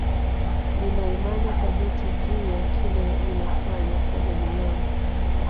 Nina imani thabiti juu ya kile ninafanya kwa jamii yangu